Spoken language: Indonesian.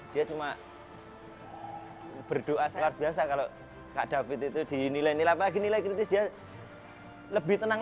dia cuma berdoa sangat luar biasa kalau kak david itu dinilai nilai lagi nilai kritis dia lebih tenang